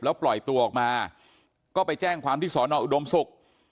แล้วปล่อยตัวออกมาก็ไปแจ้งความที่สอนออุดมศุกร์